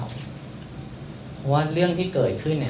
เพราะว่าเรื่องที่เกิดขึ้น